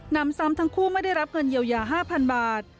นำซ้ำทั้งคู่ไม่ได้รับเงินเยียวยา๕๐๐๐บาท